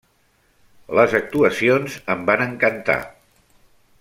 Les actuacions em van encantar.